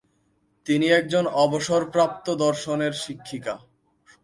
তিনি একজন অবসরপ্রাপ্ত দর্শনের শিক্ষিকা।